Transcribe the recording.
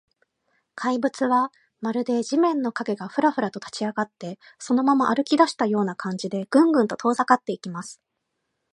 怪物は、まるで地面の影が、フラフラと立ちあがって、そのまま歩きだしたような感じで、グングンと遠ざかっていきます。